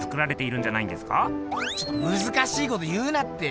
ちょっとむずかしいこと言うなって。